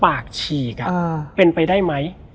แล้วสักครั้งหนึ่งเขารู้สึกอึดอัดที่หน้าอก